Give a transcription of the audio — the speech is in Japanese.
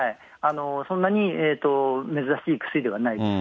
そんなに珍しい薬ではないです。